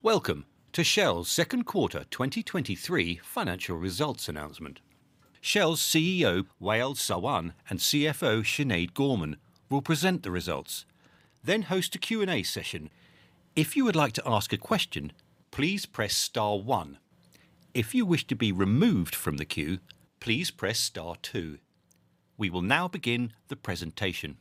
Welcome to Shell's second quarter 2023 financial results announcement. Shell's CEO, Wael Sawan, and CFO, Sinead Gorman, will present the results, then host a Q&A session. If you would like to ask a question, please press star one. If you wish to be removed from the queue, please press star two. We will now begin the presentation.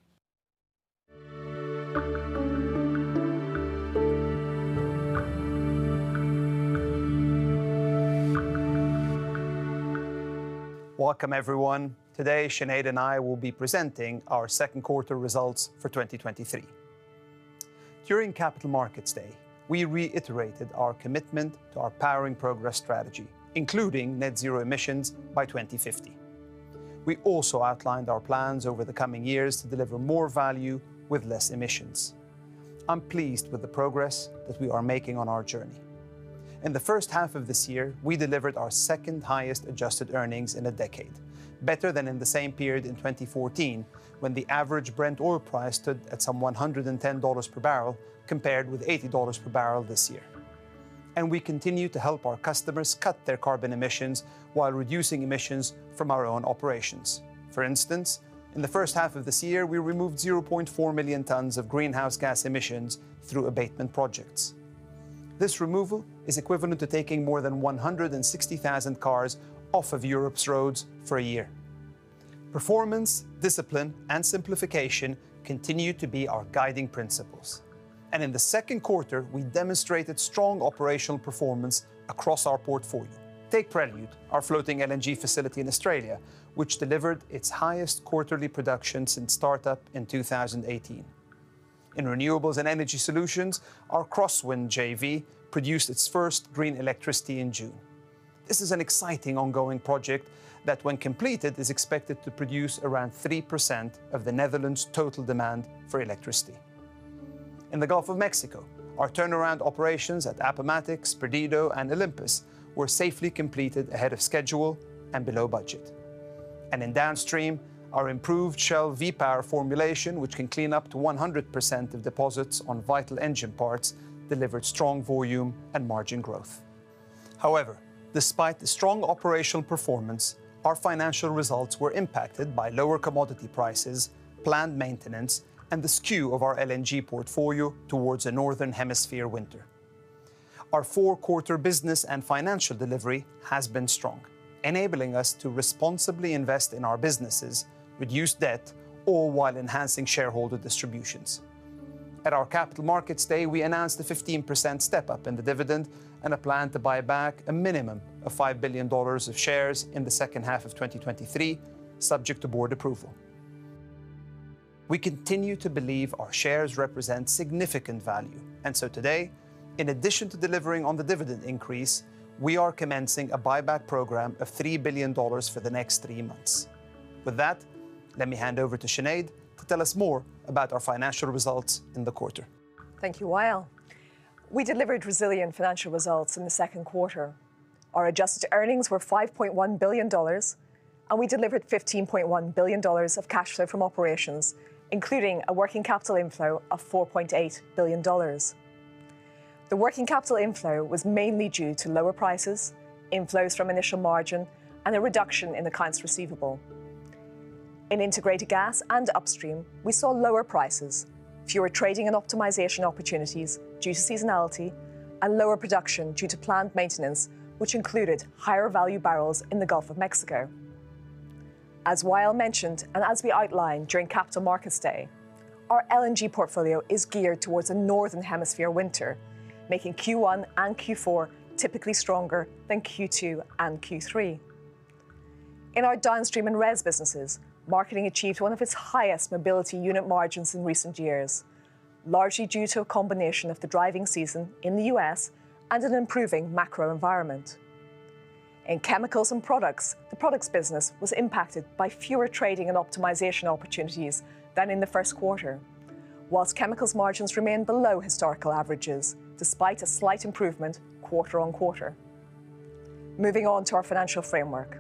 Welcome, everyone. Today, Sinead and I will be presenting our second quarter results for 2023. During Capital Markets Day, we reiterated our commitment to our Powering Progress strategy, including net-zero emissions by 2050. We also outlined our plans over the coming years to deliver more value with less emissions. I'm pleased with the progress that we are making on our journey. In the first half of this year, we delivered our second highest adjusted earnings in a decade, better than in the same period in 2014, when the average Brent oil price stood at some $110 per barrel, compared with $80 per barrel this year. We continue to help our customers cut their carbon emissions while reducing emissions from our own operations. For instance, in the first half of this year, we removed 0.4 million tons of greenhouse gas emissions through abatement projects. This removal is equivalent to taking more than 160,000 cars off of Europe's roads for a year. Performance, discipline, and simplification continue to be our guiding principles, and in the second quarter, we demonstrated strong operational performance across our portfolio. Take Prelude, our floating LNG facility in Australia, which delivered its highest quarterly production since startup in 2018. In renewables and energy solutions, our CrossWind JV produced its first green electricity in June. This is an exciting ongoing project that, when completed, is expected to produce around 3% of the Netherlands' total demand for electricity. In the Gulf of Mexico, our turnaround operations at Appomattox, Perdido, and Olympus were safely completed ahead of schedule and below budget. In Downstream, our improved Shell V-Power formulation, which can clean up to 100% of deposits on vital engine parts, delivered strong volume and margin growth. However, despite the strong operational performance, our financial results were impacted by lower commodity prices, planned maintenance, and the skew of our LNG portfolio towards a Northern Hemisphere winter. Our four-quarter business and financial delivery has been strong, enabling us to responsibly invest in our businesses, reduce debt, all while enhancing shareholder distributions. At our Capital Markets Day, we announced a 15% step-up in the dividend and a plan to buy back a minimum of $5 billion of shares in the second half of 2023, subject to board approval. We continue to believe our shares represent significant value. Today, in addition to delivering on the dividend increase, we are commencing a buyback program of $3 billion for the next three months. With that, let me hand over to Sinead to tell us more about our financial results in the quarter. Thank you, Wael. We delivered resilient financial results in the second quarter. Our adjusted earnings were $5.1 billion, and we delivered $15.1 billion of cash flow from operations, including a working capital inflow of $4.8 billion. The working capital inflow was mainly due to lower prices, inflows from initial margin, and a reduction in accounts receivable. In Integrated Gas and Upstream, we saw lower prices, fewer trading and optimization opportunities due to seasonality, and lower production due to planned maintenance, which included higher value barrels in the Gulf of Mexico. As Wael mentioned, and as we outlined during Capital Markets Day, our LNG portfolio is geared towards a Northern Hemisphere winter, making Q1 and Q4 typically stronger than Q2 and Q3. In our Downstream and RES businesses, Mobility marketing achieved one of its highest unit margins in recent years, largely due to a combination of the driving season in the US and an improving macro environment. In Chemicals and Products, the products business was impacted by fewer trading and optimization opportunities than in the first quarter, whilst Chemicals margins remained below historical averages, despite a slight improvement quarter on quarter. Moving on to our financial framework.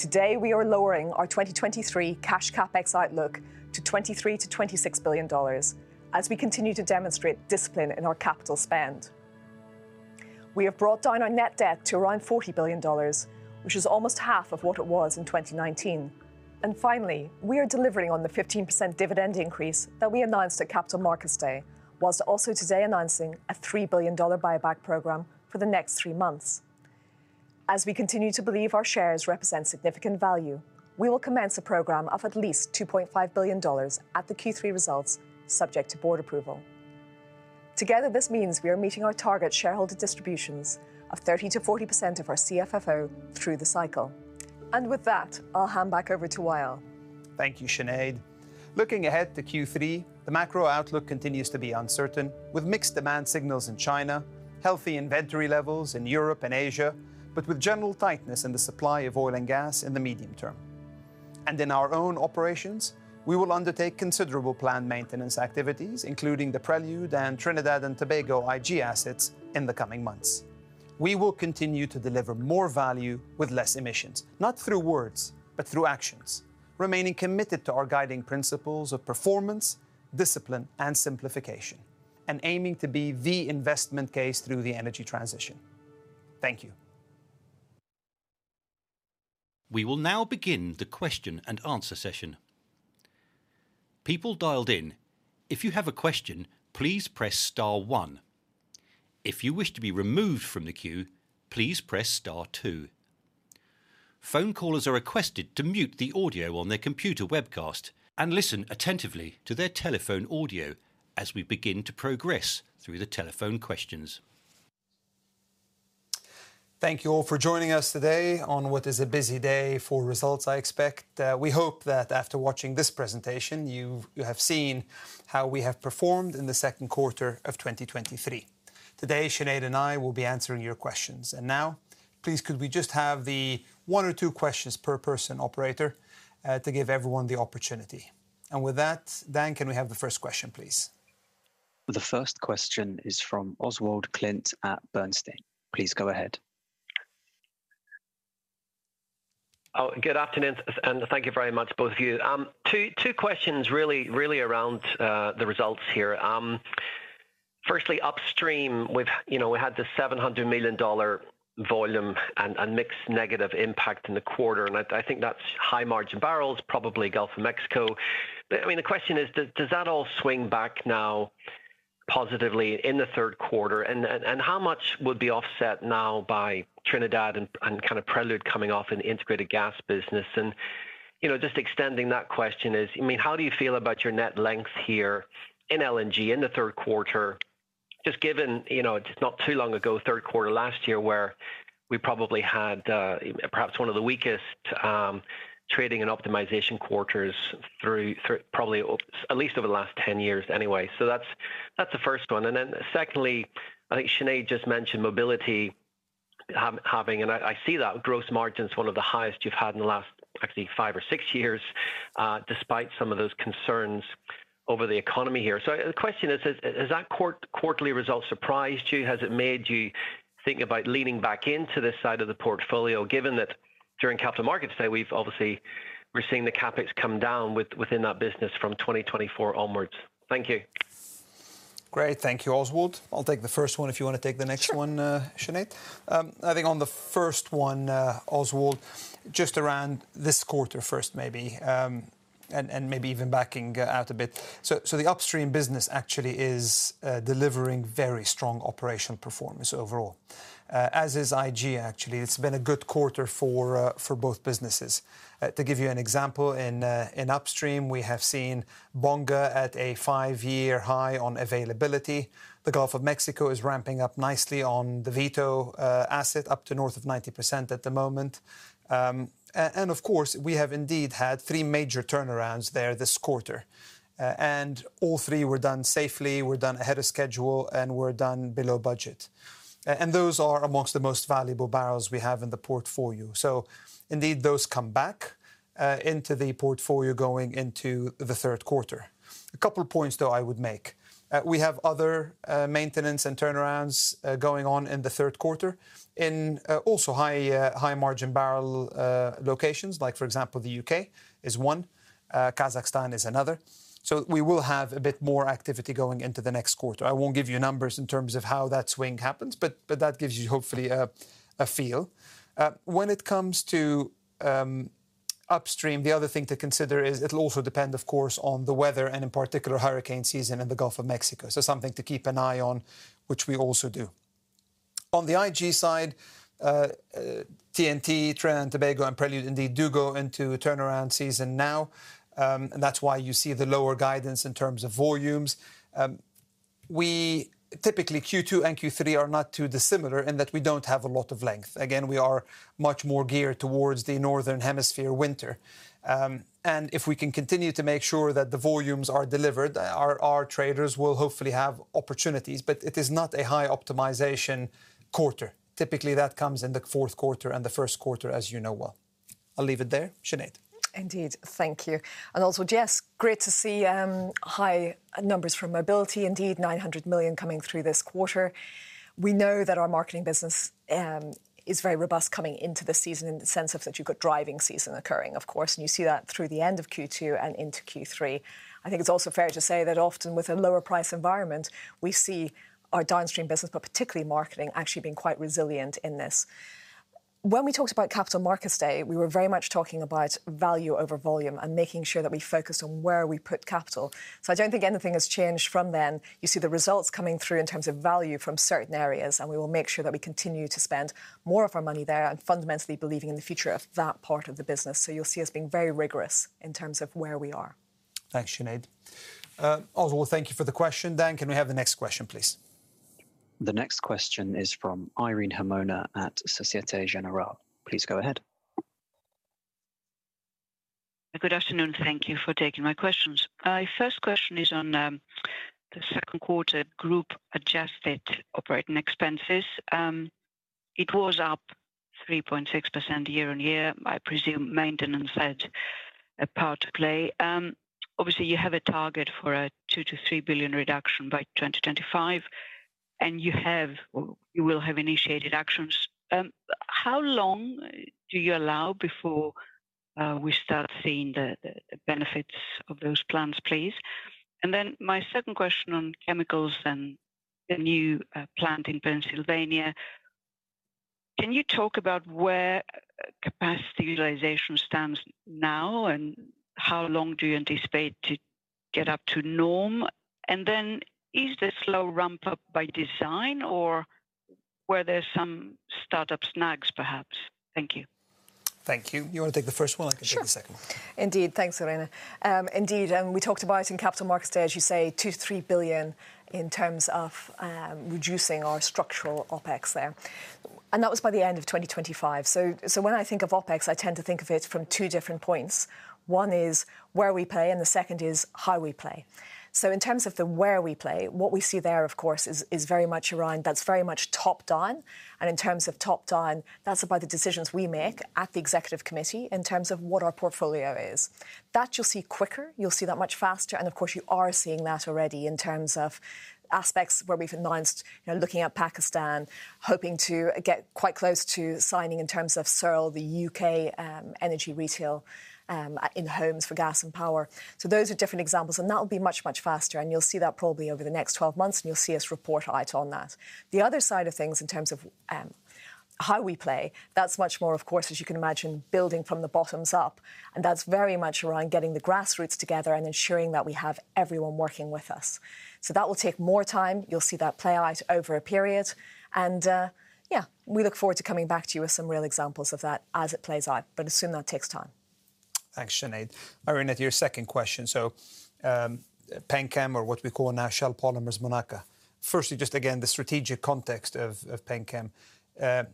Today, we are lowering our 2023 cash CapEx outlook to $23 billion-$26 billion, as we continue to demonstrate discipline in our capital spend. We have brought down our net debt to around $40 billion, which is almost half of what it was in 2019. Finally, we are delivering on the 15% dividend increase that we announced at Capital Markets Day, whilst also today announcing a $3 billion buyback program for the next three months. As we continue to believe our shares represent significant value, we will commence a program of at least $2.5 billion at the Q3 results, subject to board approval. Together, this means we are meeting our target shareholder distributions of 30%-40% of our CFFO through the cycle. With that, I'll hand back over to Wael. Thank you, Sinead. Looking ahead to Q3, the macro outlook continues to be uncertain, with mixed demand signals in China, healthy inventory levels in Europe and Asia, but with general tightness in the supply of oil and gas in the medium term. In our own operations, we will undertake considerable planned maintenance activities, including the Prelude and Trinidad and Tobago IG assets in the coming months. We will continue to deliver more value with less emissions, not through words, but through actions, remaining committed to our guiding principles of performance, discipline, and simplification, and aiming to be the investment case through the energy transition. Thank you. We will now begin the question and answer session. People dialed in, if you have a question, please press star one. If you wish to be removed from the queue, please press star two. Phone callers are requested to mute the audio on their computer webcast and listen attentively to their telephone audio as we begin to progress through the telephone questions. Thank you all for joining us today on what is a busy day for results, I expect. We hope that after watching this presentation, you have seen how we have performed in the second quarter of 2023. Today, Sinead and I will be answering your questions. Now, please, could we just have the one or two questions per person, operator, to give everyone the opportunity? With that, Dan, can we have the first question, please? The first question is from Oswald Clint at Bernstein. Please go ahead. Good afternoon, and thank you very much, both of you. Two questions really around the results here. Firstly, Upstream, you know, we had the $700 million volume and mixed negative impact in the quarter, and I think that's high-margin barrels, probably Gulf of Mexico. I mean, the question is: Does that all swing back now positively in the third quarter? How much would be offset now by Trinidad and kind of Prelude coming off in the Integrated Gas business? You know, just extending that question is, I mean, how do you feel about your net lengths here in LNG in the third quarter, just given, you know, just not too long ago, third quarter last year, where we probably had perhaps one of the weakest trading and optimization quarters through probably, at least over the last 10 years anyway? That's the first one. Then secondly, I think Sinead just mentioned Mobility having. I see that. Gross margin's one of the highest you've had in the last actually five or six years, despite some of those concerns over the economy here. The question is, has that quarterly result surprised you? Has it made you think about leaning back into this side of the portfolio, given that during Capital Markets Day, we've obviously, we're seeing the CapEx come down within that business from 2024 onwards? Thank you. Great. Thank you, Oswald. I'll take the first one if you want to take the next one. Sure Sinead. I think on the first one, Oswald, just around this quarter first maybe, and maybe even backing out a bit, the Upstream business actually is delivering very strong operational performance overall, as is IG, actually. It's been a good quarter for both businesses. To give you an example, in Upstream, we have seen Bonga at a 5-year high on availability. The Gulf of Mexico is ramping up nicely on the Vito asset, up to north of 90% at the moment. And of course, we have indeed had 3 major turnarounds there this quarter, and all three were done safely, were done ahead of schedule, and were done below budget. Those are amongst the most valuable barrels we have in the portfolio. Indeed, those come back into the portfolio going into the third quarter. A couple points, though, I would make. We have other maintenance and turnarounds going on in the third quarter in also high high-margin barrel locations, like, for example, the UK is one, Kazakhstan is another. We will have a bit more activity going into the next quarter. I won't give you numbers in terms of how that swing happens, but that gives you, hopefully, a feel. When it comes to upstream, the other thing to consider is it'll also depend, of course, on the weather and in particular, hurricane season in the Gulf of Mexico. Something to keep an eye on, which we also do. On the IG side, TNT, Trinidad and Tobago, and Prelude indeed do go into turnaround season now, and that's why you see the lower guidance in terms of volumes. Typically, Q2 and Q3 are not too dissimilar in that we don't have a lot of length. Again, we are much more geared towards the Northern Hemisphere winter. If we can continue to make sure that the volumes are delivered, our traders will hopefully have opportunities, but it is not a high-optimization quarter. Typically, that comes in the fourth quarter and the first quarter, as you know well. I'll leave it there. Sinead? Indeed. Thank you. Yes, great to see high numbers from Mobility. Indeed, $900 million coming through this quarter. We know that our marketing business is very robust coming into the season in the sense of that you've got driving season occurring, of course, you see that through the end of Q2 and into Q3. I think it's also fair to say that often with a lower price environment, we see our Downstream business, but particularly marketing, actually being quite resilient in this. When we talked about Capital Markets Day, we were very much talking about value over volume making sure that we focus on where we put capital. I don't think anything has changed from then. You see the results coming through in terms of value from certain areas, and we will make sure that we continue to spend more of our money there and fundamentally believing in the future of that part of the business. You'll see us being very rigorous in terms of where we are. Thanks, Sinead. Oswald, thank you for the question. Dan, can we have the next question, please? The next question is from Irene Himona at Societe Generale. Please go ahead. Good afternoon. Thank you for taking my questions. My first question is on the second quarter group adjusted operating expenses.... 3.6% year-on-year, I presume maintenance had a part to play. Obviously, you have a target for a $2 billion-$3 billion reduction by 2025, and you have, or you will have initiated actions. How long do you allow before we start seeing the benefits of those plans, please? My second question on Chemicals and the new plant in Pennsylvania, can you talk about where capacity utilization stands now, and how long do you anticipate to get up to norm? Is this slow ramp-up by design, or were there some startup snags perhaps? Thank you. Thank you. You wanna take the first one? Sure. I can take the second one. Indeed. Thanks, Irene. Indeed, we talked about it in Capital Markets Day, as you say, $2 billion-$3 billion in terms of reducing our structural OpEx there, and that was by the end of 2025. When I think of OpEx, I tend to think of it from two different points. One is where we play, and the second is how we play. In terms of the where we play, what we see there, of course, is very much around, that's very much top down. In terms of top down, that's about the decisions we make at the executive committee in terms of what our portfolio is. That you'll see quicker, you'll see that much faster. Of course, you are seeing that already in terms of aspects where we've announced, you know, looking at Pakistan, hoping to get quite close to signing in terms of Shell, the UK, Shell Energy Retail, in homes for gas and power. Those are different examples, and that will be much, much faster, and you'll see that probably over the next 12 months, and you'll see us report out on that. The other side of things in terms of how we play, that's much more, of course, as you can imagine, building from the bottoms up, and that's very much around getting the grassroots together and ensuring that we have everyone working with us. That will take more time. You'll see that play out over a period, and, yeah, we look forward to coming back to you with some real examples of that as it plays out, but assume that takes time. Thanks, Sinead. Irene Himona, to your second question, PennChem or what we call now Shell Polymers Monaca. Firstly, the strategic context of PennChem.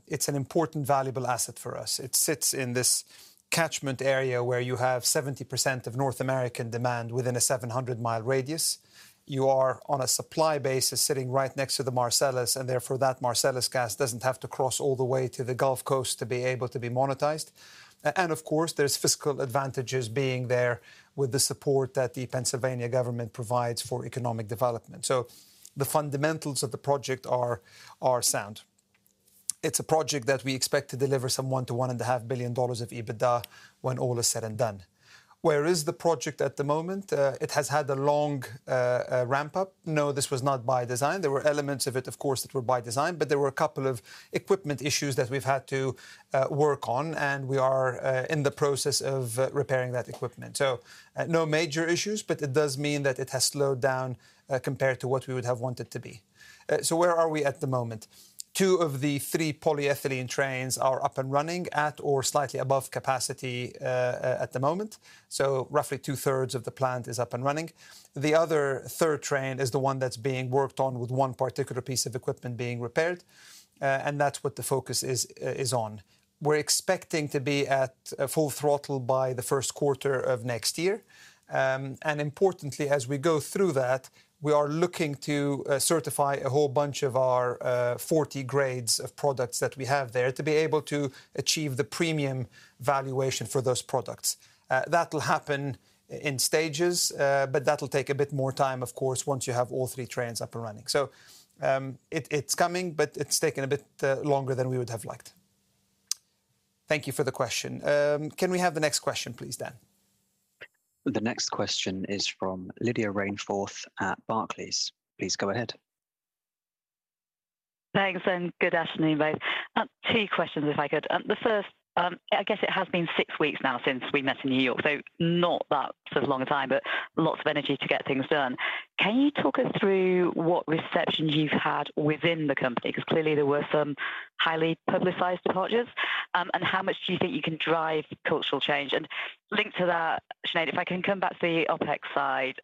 It's an important, valuable asset for us. It sits in this catchment area where you have 70% of North American demand within a 700-mile radius. You are on a supply basis sitting right next to the Marcellus, that Marcellus gas doesn't have to cross all the way to the Gulf Coast to be able to be monetized. There's fiscal advantages being there with the support that the Pennsylvania government provides for economic development. The fundamentals of the project are sound. It's a project that we expect to deliver some $1 billion-$1.5 billion of EBITDA when all is said and done. Where is the project at the moment? It has had a long ramp-up. This was not by design. There were elements of it, of course, that were by design, but there were a couple of equipment issues that we've had to work on, and we are in the process of repairing that equipment. No major issues, but it does mean that it has slowed down compared to what we would have wanted to be. Where are we at the moment? Two of the three polyethylene trains are up and running at or slightly above capacity at the moment, roughly two-thirds of the plant is up and running. The other third train is the one that's being worked on with one particular piece of equipment being repaired, and that's what the focus is on. We're expecting to be at full throttle by the first quarter of next year. Importantly, as we go through that, we are looking to certify a whole bunch of our 40 grades of products that we have there to be able to achieve the premium valuation for those products. That will happen in stages, but that will take a bit more time, of course, once you have all three trains up and running. It's coming, but it's taking a bit longer than we would have liked. Thank you for the question. Can we have the next question, please, Dan? The next question is from Lydia Rainforth at Barclays. Please go ahead. Thanks, good afternoon, both. 2 questions, if I could. The first, I guess it has been 6 weeks now since we met in New York, not that sort of a long time, lots of energy to get things done. Can you talk us through what reception you've had within the company? Clearly there were some highly publicized departures. How much do you think you can drive cultural change? Linked to that, Sinead, if I can come back to the OpEx side,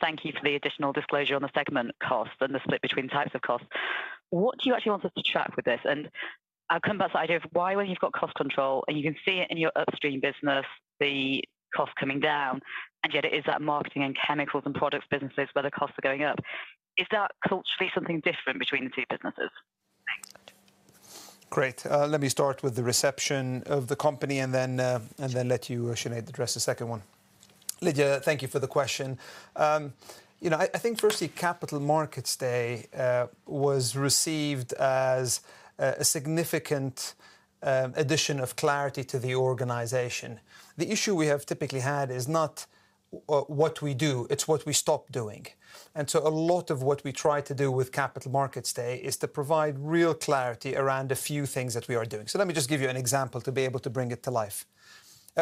thank you for the additional disclosure on the segment costs and the split between types of costs. What do you actually want us to track with this? I'll come back to the idea of why, when you've got cost control, and you can see it in your Upstream business, the cost coming down, yet it is that marketing and Chemicals and Products businesses where the costs are going up. Is that culturally something different between the two businesses? Thanks. Great. Let me start with the reception of the company let you, Sinead, address the second one. Lydia, thank you for the question. You know, I think firstly, Capital Markets Day was received as a significant addition of clarity to the organization. The issue we have typically had is not what we do, it's what we stop doing. A lot of what we try to do with Capital Markets Day is to provide real clarity around a few things that we are doing. Let me just give you an example to be able to bring it to life.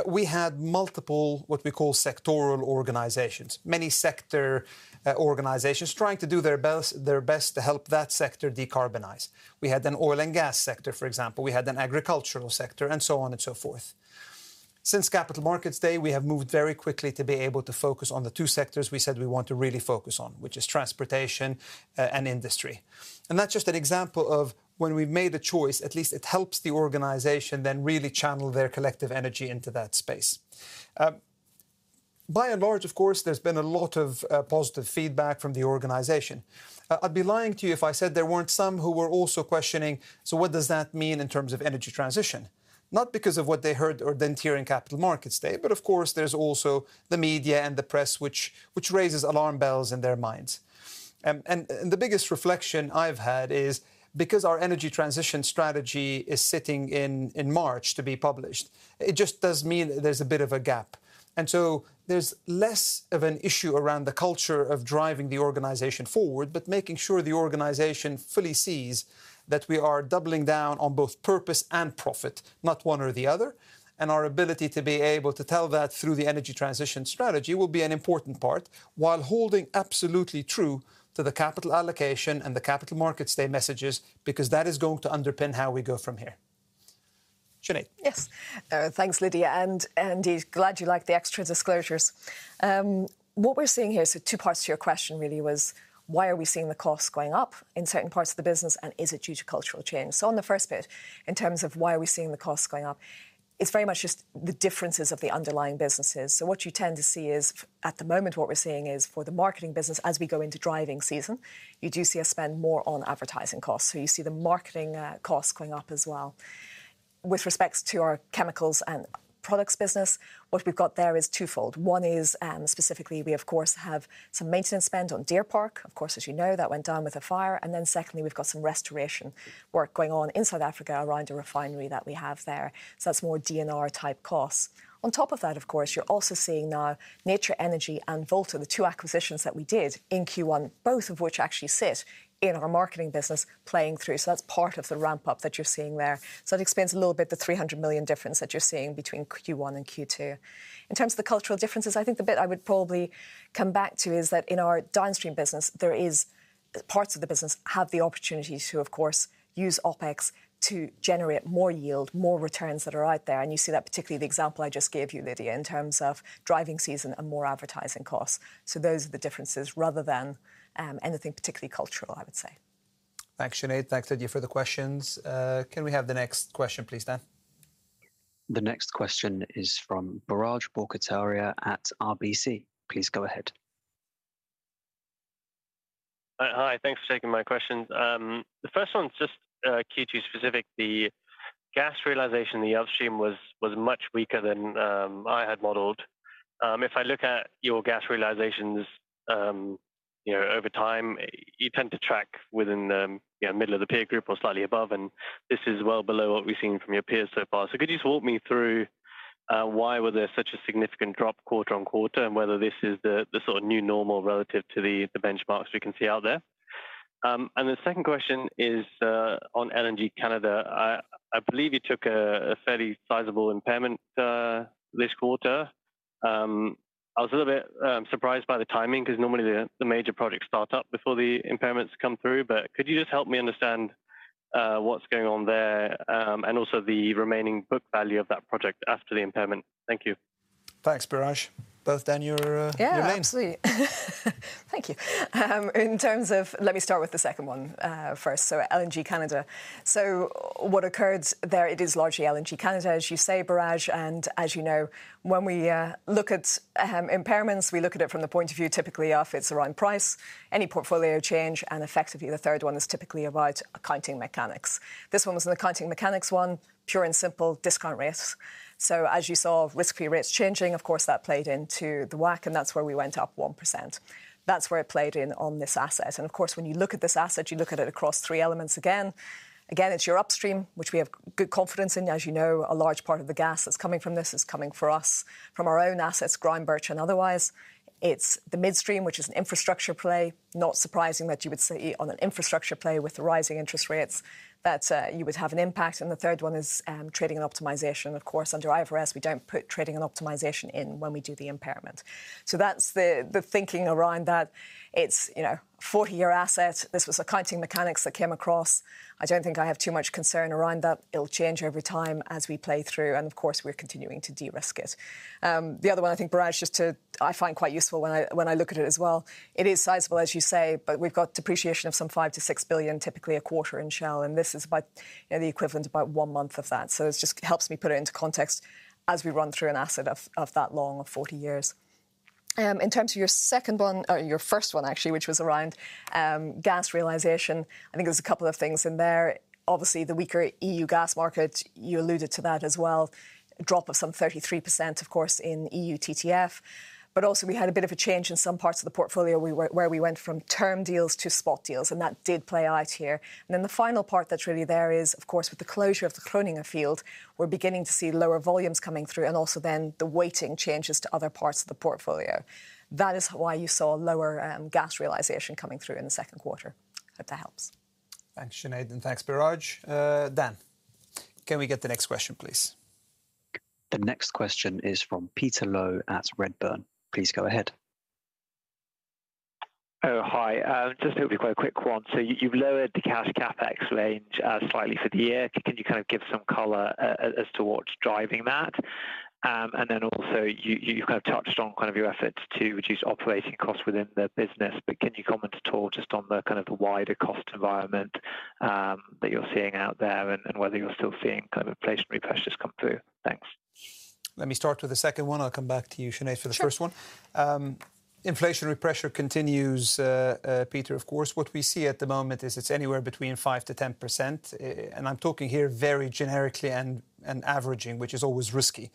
We had multiple, what we call sectoral organizations, many sector organizations trying to do their best to help that sector decarbonize. We had an oil and gas sector, for example. We had an agricultural sector, and so on and so forth. Since Capital Markets Day, we have moved very quickly to be able to focus on the two sectors we said we want to really focus on, which is transportation, and industry. That's just an example of when we've made a choice, at least it helps the organization then really channel their collective energy into that space. By and large, of course, there's been a lot of positive feedback from the organization. I'd be lying to you if I said there weren't some who were also questioning, so what does that mean in terms of energy transition? Not because of what they heard or didn't hear in Capital Markets Day, of course, there's also the media and the press, which raises alarm bells in their minds. The biggest reflection I've had is because our energy transition strategy is sitting in, in March to be published, it just does mean there's a bit of a gap. So there's less of an issue around the culture of driving the organization forward, but making sure the organization fully sees that we are doubling down on both purpose and profit, not one or the other, and our ability to be able to tell that through the energy transition strategy will be an important part, while holding absolutely true to the capital allocation and the Capital Markets Day messages, because that is going to underpin how we go from here. Sinead? Yes. Thanks, Lydia, and glad you like the extra disclosures. What we're seeing here, two parts to your question really was: Why are we seeing the costs going up in certain parts of the business, and is it due to cultural change? On the first bit, in terms of why are we seeing the costs going up, it's very much just the differences of the underlying businesses. What you tend to see is, at the moment, what we're seeing is for the marketing business, as we go into driving season, you do see us spend more on advertising costs, you see the marketing costs going up as well. With respects to our Chemicals and Products business, what we've got there is twofold. One is, specifically, we of course, have some maintenance spend on Deer Park. Of course, as you know, that went down with a fire. Secondly, we've got some restoration work going on in South Africa around a refinery that we have there. That's more DNR-type costs. On top of that, of course, you're also seeing now Nature Energy and Volta, the two acquisitions that we did in Q1, both of which actually sit in our marketing business playing through. That's part of the ramp-up that you're seeing there. It explains a little bit the $300 million difference that you're seeing between Q1 and Q2. In terms of the cultural differences, I think the bit I would probably come back to is that in our Downstream business, there is parts of the business have the opportunity to, of course, use OpEx to generate more yield, more returns that are out there. You see that, particularly the example I just gave you, Lydia, in terms of driving season and more advertising costs. Those are the differences, rather than anything particularly cultural, I would say. Thanks, Sinead. Thanks, Lydia, for the questions. Can we have the next question, please, Dan? The next question is from Biraj Borkhataria at RBC. Please go ahead. Hi, thanks for taking my questions. The first one is just Q2 specific. The gas realization in the Upstream was much weaker than I had modeled. If I look at your gas realizations, you know, over time, you tend to track within the, you know, middle of the peer group or slightly above, and this is well below what we've seen from your peers so far. Could you just walk me through why were there such a significant drop quarter-on-quarter, and whether this is the sort of new normal relative to the benchmarks we can see out there? The second question is on LNG Canada. I believe you took a fairly sizable impairment this quarter. I was a little bit surprised by the timing, because normally the major projects start up before the impairments come through. Could you just help me understand what's going on there, and also the remaining book value of that project after the impairment? Thank you. Thanks, Biraj. Both Dan, you're mine. Yeah, absolutely. Thank you. Let me start with the second one first, LNG Canada. What occurred there, it is largely LNG Canada, as you say, Biraj, and as you know, when we look at impairments, we look at it from the point of view, typically off it's the wrong price, any portfolio change, and effectively, the third one is typically about accounting mechanics. This one was an accounting mechanics one, pure and simple discount rates. As you saw, risk-free rates changing, of course, that played into the WACC, and that's where we went up 1%. That's where it played in on this asset. Of course, when you look at this asset, you look at it across three elements again. Again, it's your Upstream, which we have good confidence in. As you know, a large part of the gas that's coming from this is coming for us from our own assets, Groningen and otherwise. It's the midstream, which is an infrastructure play, not surprising that you would see on an infrastructure play with the rising interest rates, that you would have an impact. The third one is trading and optimization. Of course, under IFRS, we don't put trading and optimization in when we do the impairment. That's the thinking around that. It's, you know, a 40-year asset. This was accounting mechanics that came across. I don't think I have too much concern around that. It'll change every time as we play through, and of course, we're continuing to de-risk it. The other one, I think, Biraj, I find quite useful when I, when I look at it as well, it is sizable, as you say, but we've got depreciation of some $5 billion-$6 billion, typically a quarter in Shell, and this is about, you know, the equivalent of about one month of that. It just helps me put it into context as we run through an asset of, of that long of 40 years. In terms of your second one, or your first one, actually, which was around, gas realization, I think there's a couple of things in there. Obviously, the weaker EU gas market, you alluded to that as well. A drop of some 33%, of course, in EU TTF. Also, we had a bit of a change in some parts of the portfolio, where we went from term deals to spot deals, and that did play out here. The final part that's really there is, of course, with the closure of the Groningen field, we're beginning to see lower volumes coming through, and also then the weighting changes to other parts of the portfolio. That is why you saw a lower gas realization coming through in the second quarter. Hope that helps. Thanks, Sinead, and thanks, Biraj. Dan, can we get the next question, please? The next question is from Peter Low at Redburn. Please go ahead. Hi. Just hopefully quite a quick one. You've lowered the cash CapEx range slightly for the year. Can you kind of give some color as to what's driving that? Also, you kind of touched on kind of your efforts to reduce operating costs within the business, but can you comment at all just on the kind of the wider cost environment that you're seeing out there and whether you're still seeing kind of inflationary pressures come through? Let me start with the second one. I'll come back to you, Sinead, for the first one. Sure. Inflationary pressure continues, Peter, of course. What we see at the moment is it's anywhere between 5% to 10%, and I'm talking here very generically and averaging, which is always risky.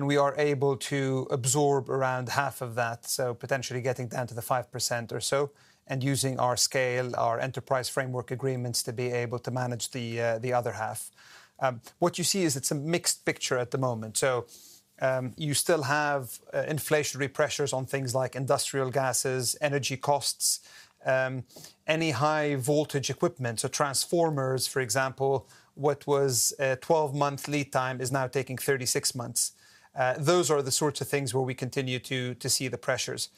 We are able to absorb around half of that, so potentially getting down to the 5% or so, and using our scale, our enterprise framework agreements, to be able to manage the other half. What you see is it's a mixed picture at the moment. You still have inflationary pressures on things like industrial gases, energy costs, any high voltage equipment, so transformers, for example, what was a 12-month lead time is now taking 36 months. Those are the sorts of things where we continue to see the pressures.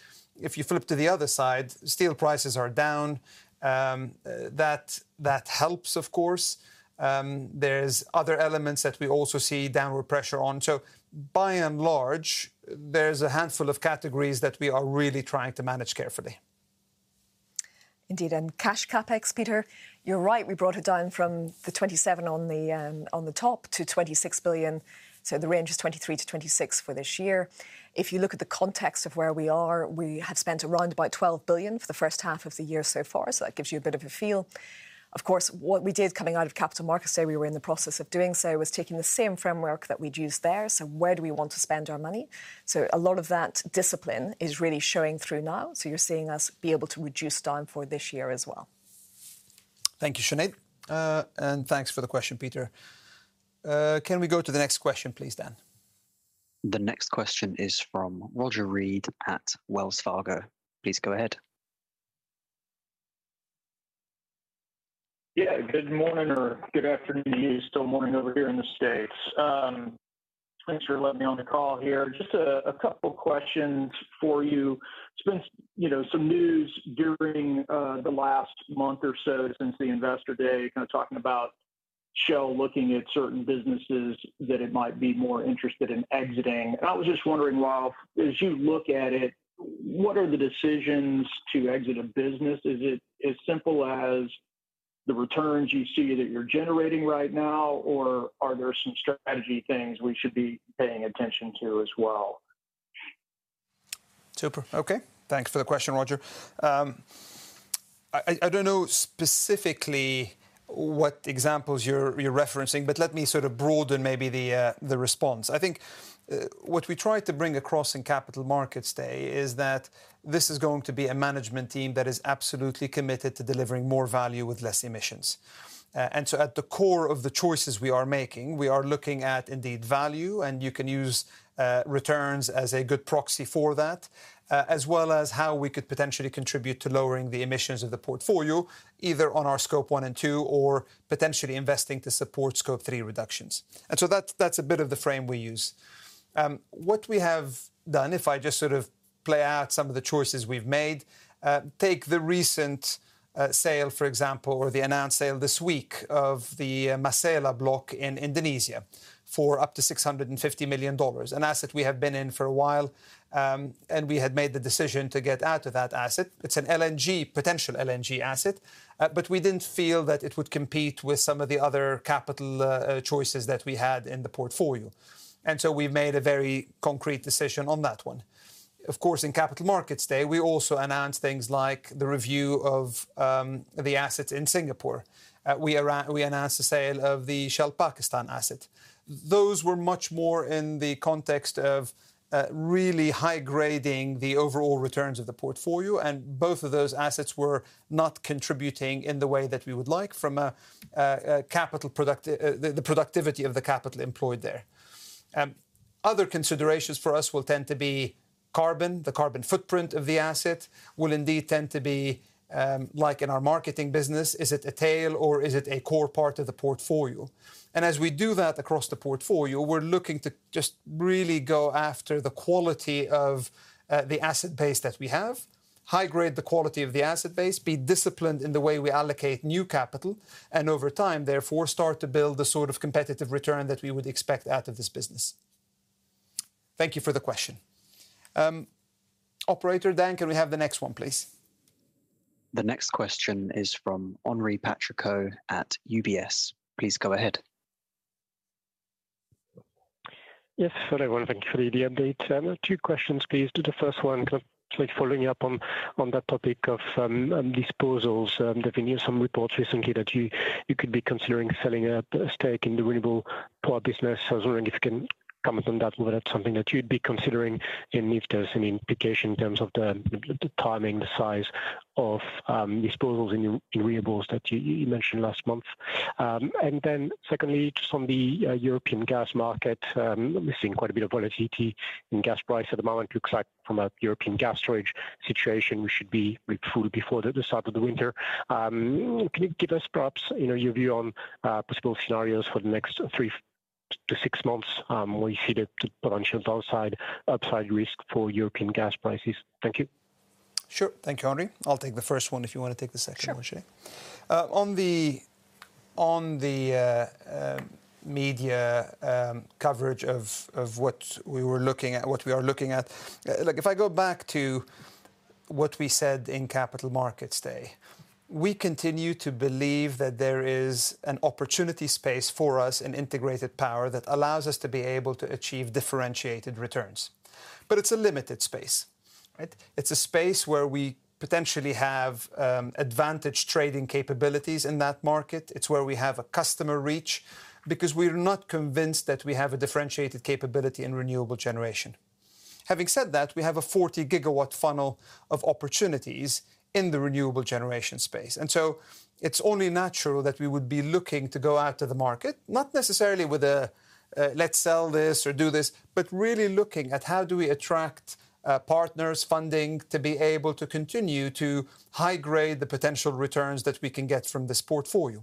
If you flip to the other side, steel prices are down. That helps, of course. There's other elements that we also see downward pressure on. By and large, there's a handful of categories that we are really trying to manage carefully. Indeed. Cash CapEx, Peter, you're right, we brought it down from the $27 on the top to $26 billion. The range is $23 billion-$26 billion for this year. If you look at the context of where we are, we have spent around about $12 billion for the first half of the year so far. That gives you a bit of a feel. Of course, what we did coming out of Capital Markets Day, we were in the process of doing so, was taking the same framework that we'd used there. Where do we want to spend our money? A lot of that discipline is really showing through now. You're seeing us be able to reduce down for this year as well. Thank you, Sinead. Thanks for the question, Peter. Can we go to the next question, please, Dan? The next question is from Roger Read at Wells Fargo. Please go ahead. Yeah, good morning or good afternoon to you. Still morning over here in the States. Thanks for letting me on the call here. Just a couple questions for you. There's been, you know, some news during the last month or so since the Investor Day, kind of talking about Shell looking at certain businesses that it might be more interested in exiting. I was just wondering, Wael, as you look at it, what are the decisions to exit a business? Is it as simple as the returns you see that you're generating right now, or are there some strategy things we should be paying attention to as well? Super. Okay, thanks for the question, Roger. I don't know specifically what examples you're referencing, but let me sort of broaden maybe the response. I think what we tried to bring across in Capital Markets Day is that this is going to be a management team that is absolutely committed to delivering more value with less emissions. At the core of the choices we are making, we are looking at indeed value, and you can use returns as a good proxy for that as well as how we could potentially contribute to lowering the emissions of the portfolio, either on our scope 1 and 2, or potentially investing to support scope 3 reductions. That's a bit of the frame we use. What we have done, if I just sort of play out some of the choices we've made, take the recent sale, for example, or the announced sale this week of the Masela block in Indonesia for up to $650 million, an asset we have been in for a while. We had made the decision to get out of that asset. It's an LNG, potential LNG asset, but we didn't feel that it would compete with some of the other capital choices that we had in the portfolio. We've made a very concrete decision on that one. Of course, in Capital Markets Day, we also announced things like the review of the assets in Singapore. We announced the sale of the Shell Pakistan asset. Those were much more in the context of really high-grading the overall returns of the portfolio. Both of those assets were not contributing in the way that we would like from the productivity of the capital employed there. Other considerations for us will tend to be carbon. The carbon footprint of the asset will indeed tend to be like in our marketing business, is it a tail or is it a core part of the portfolio? As we do that across the portfolio, we're looking to just really go after the quality of the asset base that we have, high-grade the quality of the asset base, be disciplined in the way we allocate new capital, and over time, therefore, start to build the sort of competitive return that we would expect out of this business. Thank you for the question. Operator Dan, can we have the next one, please? The next question is from Henri Patricot at UBS. Please go ahead. Yes, hello, everyone. Thank you for the update. Two questions, please. The first one, kind of like following up on that topic of disposals. There have been some reports recently that you could be considering selling a stake in the renewable power business. I was wondering if you can comment on that, whether that's something that you'd be considering, and if there's any implication in terms of the timing, the size of disposals in renewables that you mentioned last month. Secondly, just on the European gas market, we're seeing quite a bit of volatility in gas price at the moment. Looks like from a European gas storage situation, we should be refueled before the start of the winter. Can you give us perhaps, you know, your view on possible scenarios for the next 3 to 6 months? Where you see the potential downside, upside risk for European gas prices? Thank you. Sure. Thank you, Henri. I'll take the first one if you wanna take the second one, Sinead. Sure. On the media coverage of what we were looking at, what we are looking at, look, if I go back to what we said in Capital Markets Day. We continue to believe that there is an opportunity space for us in integrated power that allows us to be able to achieve differentiated returns, but it's a limited space, right? It's a space where we potentially have advantage trading capabilities in that market. It's where we have a customer reach, because we're not convinced that we have a differentiated capability in renewable generation. Having said that, we have a 40-gigawatt funnel of opportunities in the renewable generation space. It's only natural that we would be looking to go out to the market, not necessarily with a, "Let's sell this or do this," but really looking at how do we attract partners, funding, to be able to continue to high-grade the potential returns that we can get from this portfolio.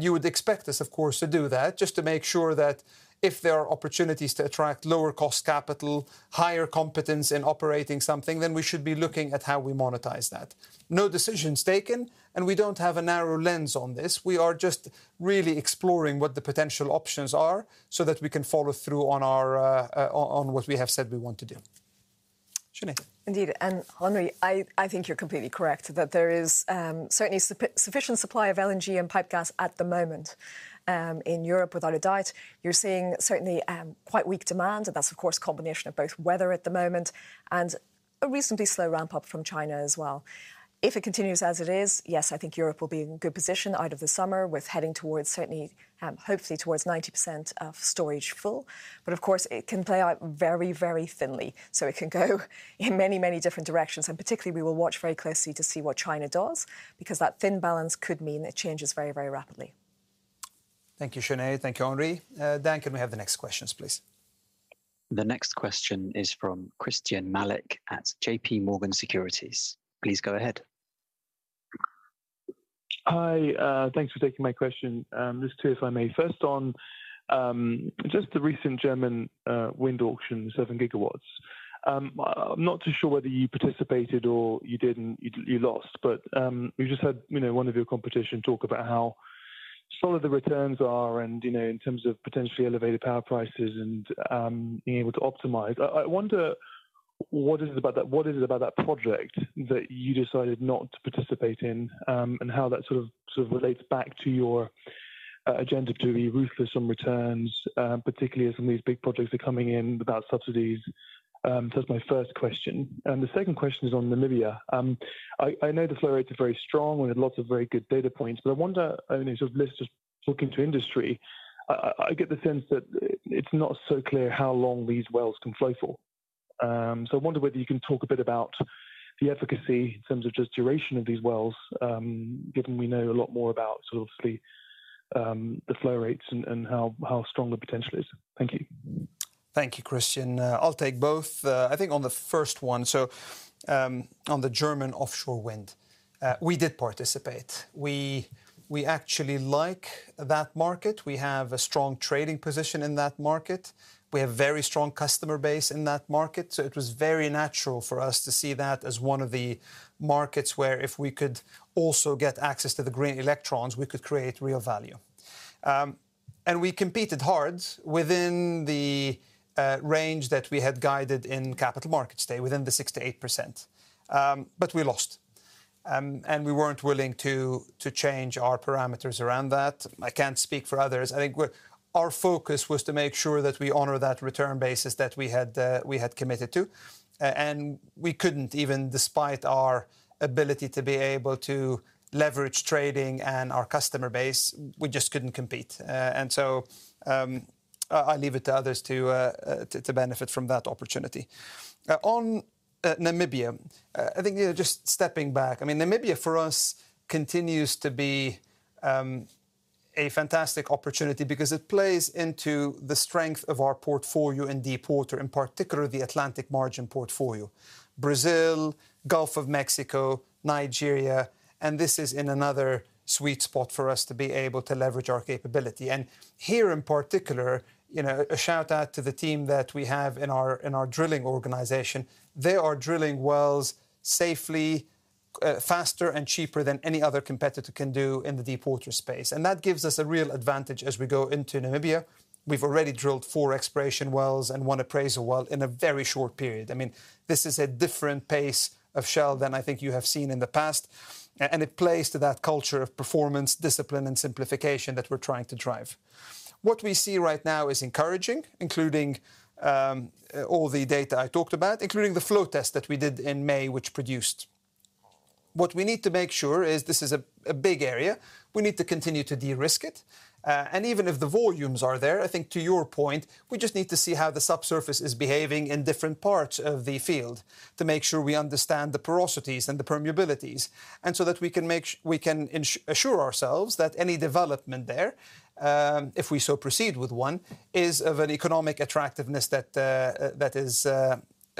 You would expect us, of course, to do that, just to make sure that if there are opportunities to attract lower-cost capital, higher competence in operating something, then we should be looking at how we monetize that. No decisions taken, and we don't have a narrow lens on this. We are just really exploring what the potential options are so that we can follow through on what we have said we want to do. Sinead? Henri, I think you're completely correct, that there is certainly sufficient supply of LNG and pipe gas at the moment in Europe. Without a doubt, you're seeing certainly quite weak demand, and that's of course, a combination of both weather at the moment and a recently slow ramp-up from China as well. If it continues as it is, yes, I think Europe will be in a good position out of the summer with heading towards certainly, hopefully towards 90% of storage full, but of course, it can play out very, very thinly. It can go in many, many different directions, and particularly, we will watch very closely to see what China does, because that thin balance could mean it changes very, very rapidly. Thank you, Sinead. Thank you, Henri. Dan, can we have the next questions, please? The next question is from Christyan Malek at J.P. Morgan Securities. Please go ahead. Hi, thanks for taking my question. Just two, if I may. First, on just the recent German wind auction, 7 gigawatts. I'm not too sure whether you participated or you didn't, you lost, but we've just had, you know, one of your competition talk about how solid the returns are and, you know, in terms of potentially elevated power prices and being able to optimize. I wonder, what is it about that project that you decided not to participate in and how that sort of relates back to your agenda to be ruthless on returns, particularly as some of these big projects are coming in without subsidies? That's my first question. The second question is on Namibia. I know the flow rates are very strong and we had lots of very good data points, I wonder, I mean, just listening, just talking to industry, I get the sense that it's not so clear how long these wells can flow for. I wonder whether you can talk a bit about the efficacy in terms of just duration of these wells, given we know a lot more about sort of the flow rates and how strong the potential is. Thank you. Thank you, Christyan. I'll take both. I think on the first one, on the German offshore wind, we did participate. We actually like that market. We have a strong trading position in that market. We have a very strong customer base in that market, so it was very natural for us to see that as one of the markets where if we could also get access to the green electrons, we could create real value. We competed hard within the range that we had guided in Capital Markets Day, within the 6%-8%. We lost, and we weren't willing to change our parameters around that. I can't speak for others. I think what... Our focus was to make sure that we honor that return basis that we had committed to, and we couldn't even, despite our ability to be able to leverage trading and our customer base, we just couldn't compete. I, I leave it to others to, to benefit from that opportunity. On Namibia, I think, you know, just stepping back, I mean, Namibia, for us, continues to be a fantastic opportunity because it plays into the strength of our portfolio in deepwater, in particular, the Atlantic Margin portfolio. Brazil, Gulf of Mexico, Nigeria, and this is in another sweet spot for us to be able to leverage our capability. Here, in particular, you know, a shout-out to the team that we have in our, in our drilling organization. They are drilling wells safely, faster and cheaper than any other competitor can do in the deepwater space, that gives us a real advantage as we go into Namibia. We've already drilled 4 exploration wells and 1 appraisal well in a very short period. I mean, this is a different pace of Shell than I think you have seen in the past, and it plays to that culture of performance, discipline, and simplification that we're trying to drive. What we see right now is encouraging, including all the data I talked about, including the flow test that we did in May, which produced. What we need to make sure is, this is a big area, we need to continue to de-risk it. Even if the volumes are there, I think to your point, we just need to see how the subsurface is behaving in different parts of the field to make sure we understand the porosities and the permeabilities, so that we can assure ourselves that any development there, if we so proceed with one, is of an economic attractiveness that is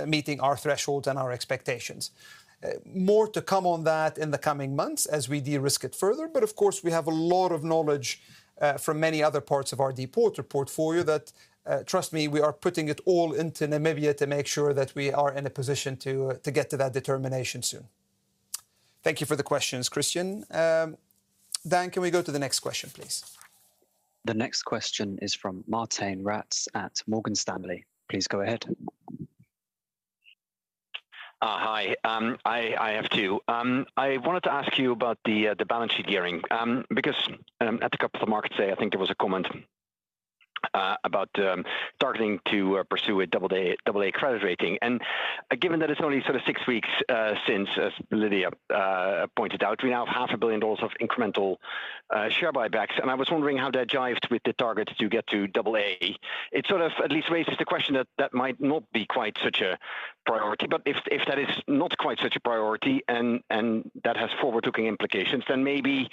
meeting our thresholds and our expectations. More to come on that in the coming months as we de-risk it further, but of course, we have a lot of knowledge from many other parts of our deepwater portfolio that, trust me, we are putting it all into Namibia to make sure that we are in a position to get to that determination soon. Thank you for the questions, Christyan. Dan, can we go to the next question, please? The next question is from Martijn Rats at Morgan Stanley. Please go ahead. Hi. I have two. I wanted to ask you about the balance sheet gearing because at the Capital Markets Day, I think there was a comment about targeting to pursue a double A, double A credit rating. Given that it's only sort of 6 weeks since, as Lydia pointed out, we now have half a billion dollars of incremental share buybacks, I was wondering how that jived with the target to get to double A. It sort of at least raises the question that that might not be quite such a priority. If that is not quite such a priority and that has forward-looking implications, then maybe,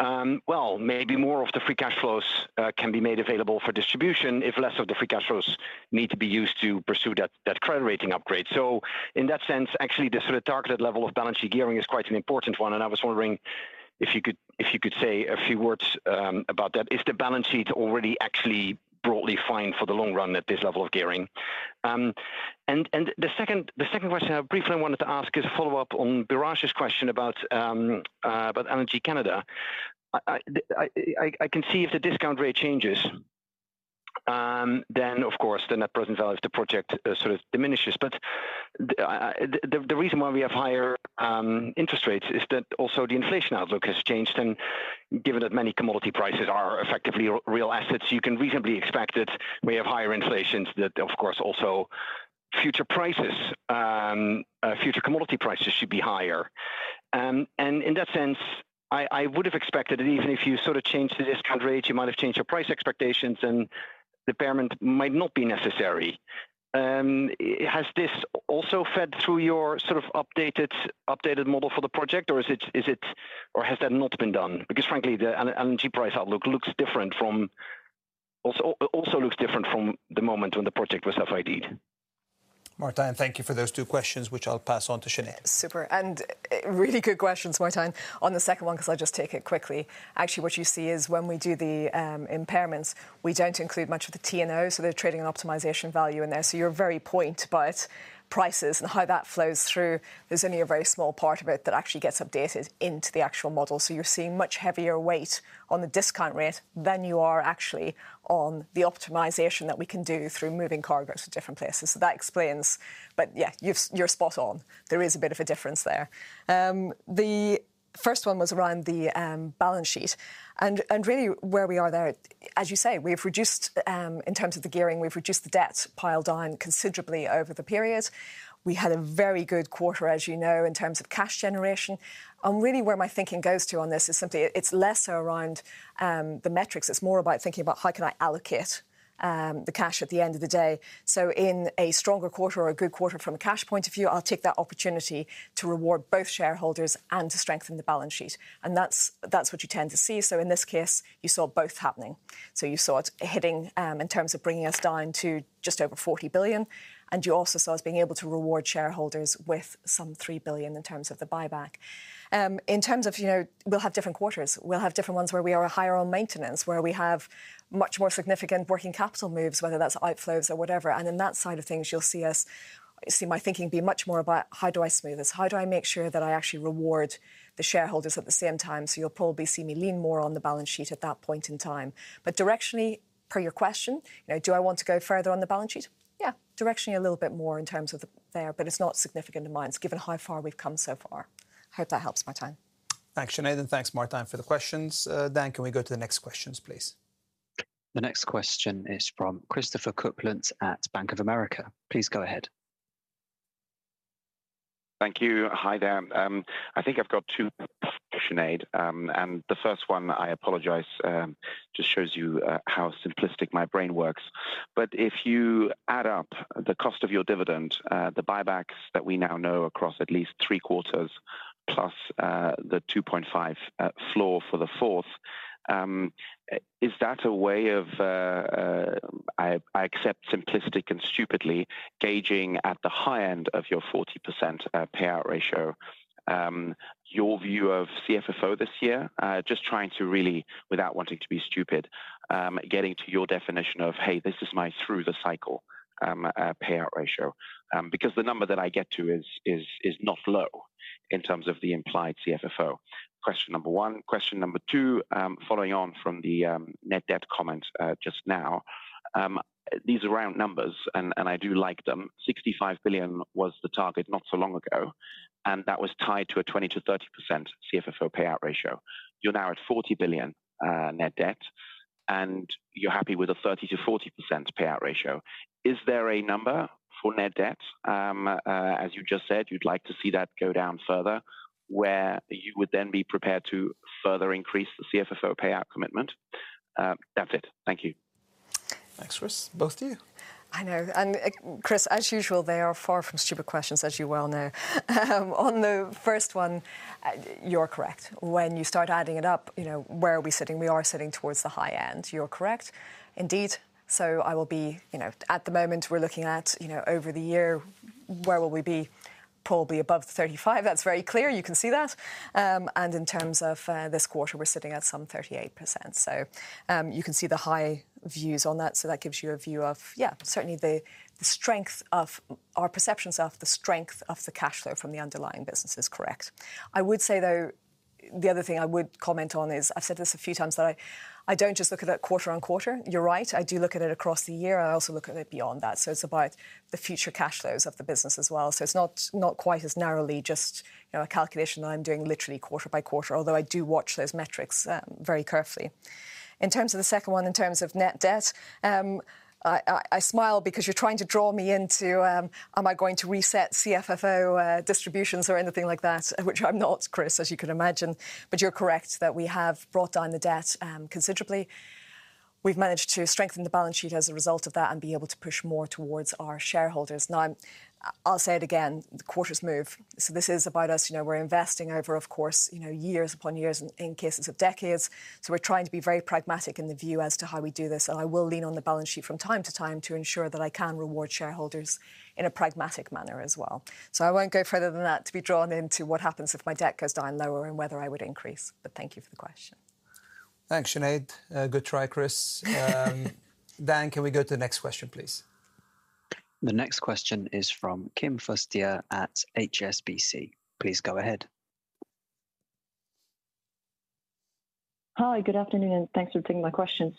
well, maybe more of the free cash flows can be made available for distribution if less of the free cash flows need to be used to pursue that credit rating upgrade. In that sense, actually, the sort of targeted level of balance sheet gearing is quite an important one, and I was wondering if you could say a few words about that. Is the balance sheet already actually broadly fine for the long run at this level of gearing? The second question I briefly wanted to ask is a follow-up on Biraj's question about LNG Canada. I can see if the discount rate changes, then, of course, the net present value of the project, sort of diminishes. The reason why we have higher interest rates is that also the inflation outlook has changed, and given that many commodity prices are effectively re-real assets, you can reasonably expect that we have higher inflations, that, of course, also future prices, future commodity prices should be higher. In that sense, I would've expected that even if you sort of changed the discount rate, you might have changed your price expectations, and impairment might not be necessary. Has this also fed through your sort of updated model for the project, or is it or has that not been done? Because frankly, the LNG price outlook looks different from... It also looks different from the moment when the project was FID'd. Martijn, thank you for those two questions, which I'll pass on to Sinead. Super, really good questions, Martijn. On the second one, because I'll just take it quickly, actually, what you see is when we do the impairments, we don't include much of the TNO, so the trading and optimization value in there. Your very point about prices and how that flows through. There's only a very small part of it that actually gets updated into the actual model, so you're seeing much heavier weight on the discount rate than you are actually on the optimization that we can do through moving cargo to different places. That explains. But yeah, you're spot on. There is a bit of a difference there. The first one was around the balance sheet. Really, where we are there, as you say, we've reduced in terms of the gearing, we've reduced the debt piled on considerably over the period. We had a very good quarter, as you know, in terms of cash generation. Really, where my thinking goes to on this is simply, it's lesser around the metrics. It's more about thinking about how can I allocate the cash at the end of the day. In a stronger quarter or a good quarter from a cash point of view, I'll take that opportunity to reward both shareholders and to strengthen the balance sheet, and that's what you tend to see. In this case, you saw both happening. You saw it hitting, in terms of bringing us down to just over $40 billion, and you also saw us being able to reward shareholders with some $3 billion in terms of the buyback. In terms of, you know, we'll have different quarters. We'll have different ones where we are higher on maintenance, where we have much more significant working capital moves, whether that's outflows or whatever. In that side of things, you'll see my thinking be much more about how do I smooth this? How do I make sure that I actually reward the shareholders at the same time? You'll probably see me lean more on the balance sheet at that point in time. Directionally, per your question, you know, do I want to go further on the balance sheet? Yeah, directionally a little bit more in terms of there, but it's not significant to mine. It's given how far we've come so far. Hope that helps, Martijn. Thanks, Sinead, and thanks, Martijn, for the questions. Dan, can we go to the next questions, please? The next question is from Christopher Kuplent at Bank of America. Please go ahead. Thank you. Hi there. I think I've got two questions, Sinead. The first one, I apologize, just shows you how simplistic my brain works. If you add up the cost of your dividend, the buybacks that we now know across at least 3 quarters, plus the $2.5 floor for the 4th, is that a way of, I accept simplistic and stupidly, gauging at the high end of your 40% payout ratio, your view of CFFO this year? Just trying to really, without wanting to be stupid, getting to your definition of, "Hey, this is my through-the-cycle payout ratio." The number that I get to is not low in terms of the implied CFFO. Question number 1. Question number two, following on from the net debt comment just now, these are round numbers, and I do like them. $65 billion was the target not so long ago, that was tied to a 20%-30% CFFO payout ratio. You're now at $40 billion net debt, you're happy with a 30%-40% payout ratio. Is there a number for net debt? As you just said, you'd like to see that go down further, where you would then be prepared to further increase the CFFO payout commitment. That's it. Thank you. Thanks, Chris, both of you. I know, Chris, as usual, they are far from stupid questions, as you well know. On the first one, you're correct. When you start adding it up, you know, where are we sitting? We are sitting towards the high end. You're correct indeed. I will be. You know, at the moment, we're looking at, you know, over the year, where will we be? Probably above 35. That's very clear. You can see that. And in terms of this quarter, we're sitting at some 38%. You can see the high views on that, so that gives you a view of, certainly the strength of, our perceptions of the strength of the cash flow from the underlying business is correct. I would say, though. The other thing I would comment on is, I've said this a few times, that I don't just look at it quarter on quarter. You're right, I do look at it across the year, and I also look at it beyond that. It's about the future cash flows of the business as well. It's not quite as narrowly just, you know, a calculation that I'm doing literally quarter by quarter, although I do watch those metrics, very carefully. In terms of the second one, in terms of net debt, I smile because you're trying to draw me into, am I going to reset CFFO, distributions or anything like that? Which I'm not, Chris, as you can imagine. You're correct that we have brought down the debt, considerably. We've managed to strengthen the balance sheet as a result of that, and be able to push more towards our shareholders. Now, I'll say it again, the quarters move, so this is about us. You know, we're investing over, of course, you know, years upon years, and in cases of decades, so we're trying to be very pragmatic in the view as to how we do this. I will lean on the balance sheet from time to time to ensure that I can reward shareholders in a pragmatic manner as well. I won't go further than that, to be drawn into what happens if my debt goes down lower and whether I would increase. Thank you for the question. Thanks, Sinead. Good try, Chris. Dan, can we go to the next question, please? The next question is from Kim Fustier at HSBC. Please go ahead. Hi, good afternoon, thanks for taking my questions.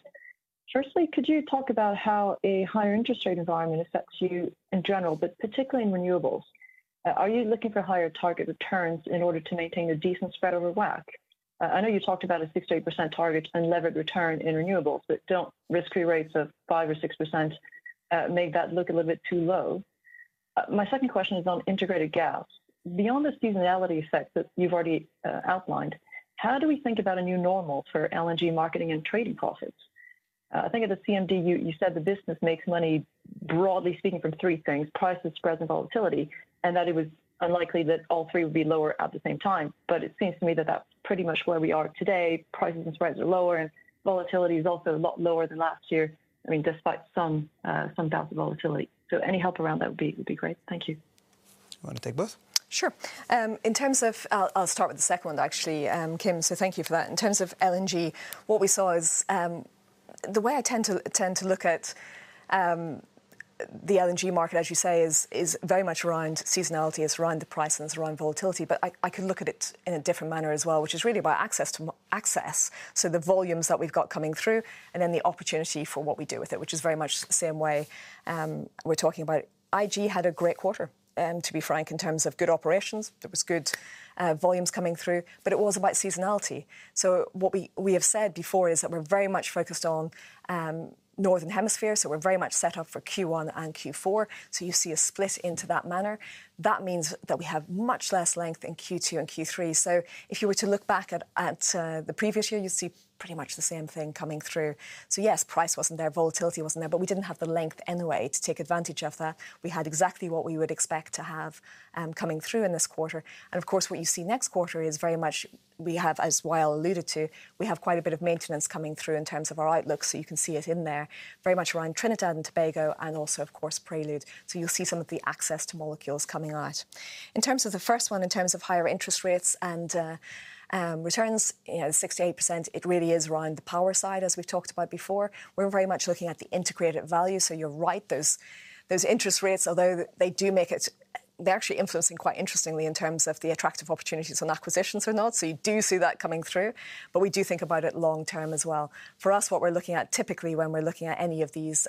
Firstly, could you talk about how a higher interest rate environment affects you in general, but particularly in renewables? Are you looking for higher target returns in order to maintain a decent spread over WACC? I know you talked about a 6%-8% target unlevered return in renewables, but don't risk-free rates of 5% or 6% make that look a little bit too low? My second question is on Integrated Gas. Beyond the seasonality effect that you've already outlined, how do we think about a new normal for LNG marketing and trading profits? I think at the CMD, you said the business makes money, broadly speaking, from three things: prices, spread, and volatility, and that it was unlikely that all three would be lower at the same time. it seems to me that that's pretty much where we are today. Prices and spreads are lower, and volatility is also a lot lower than last year. I mean, despite some bouts of volatility. Any help around that would be great. Thank you. You want to take both? Sure. In terms of... I'll start with the second one, actually, Kim, so thank you for that. In terms of LNG, what we saw is, the way I tend to look at the LNG market, as you say, is very much around seasonality, it's around the price, and it's around volatility. I can look at it in a different manner as well, which is really about access to access, so the volumes that we've got coming through, and then the opportunity for what we do with it, which is very much the same way, we're talking about... IG had a great quarter, to be frank, in terms of good operations. There was good volumes coming through, but it was about seasonality. What we have said before is that we're very much focused on Northern Hemisphere, so we're very much set up for Q1 and Q4, so you see a split into that manner. That means that we have much less length in Q2 and Q3. If you were to look back at the previous year, you'd see pretty much the same thing coming through. Yes, price wasn't there, volatility wasn't there, but we didn't have the length anyway to take advantage of that. We had exactly what we would expect to have coming through in this quarter. Of course, what you see next quarter is very much, we have, as Wael alluded to, we have quite a bit of maintenance coming through in terms of our outlook. You can see it in there, very much around Trinidad and Tobago, and also of course Prelude. You'll see some of the access to molecules coming out. In terms of the first one, in terms of higher interest rates and returns, you know, 6%-8%, it really is around the power side, as we've talked about before. We're very much looking at the integrated value, you're right, those interest rates, although they do make it. They're actually influencing quite interestingly in terms of the attractive opportunities and acquisitions we're not, you do see that coming through, but we do think about it long term as well. For us, what we're looking at typically when we're looking at any of these,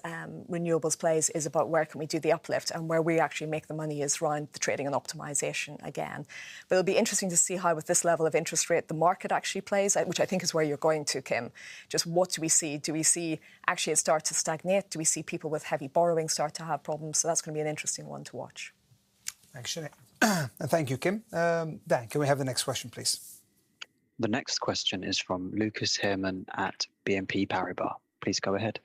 renewables plays, is about where can we do the uplift, and where we actually make the money is around the trading and optimization again. It'll be interesting to see how, with this level of interest rate, the market actually plays, which I think is where you're going to, Kim. Just what do we see? Do we see actually it start to stagnate? Do we see people with heavy borrowing start to have problems? That's gonna be an interesting one to watch. Thanks, Sinead. Thank you, Kim. Dan, can we have the next question, please? The next question is from Lucas Herrmann at BNP Paribas. Please go ahead.